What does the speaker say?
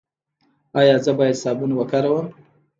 ایا زه باید صابون وکاروم؟